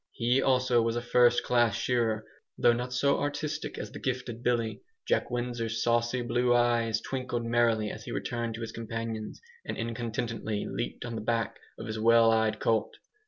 He, also, was a first class shearer, though not so artistic as the gifted Billy. Jack Windsor's saucy blue eyes twinkled merrily as he returned to his companions, and incontinently leaped on the back of his wild eyed colt.